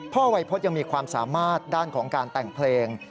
วัยพฤษยังมีความสามารถด้านของการแต่งเพลง